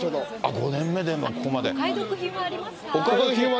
５年目でここまで。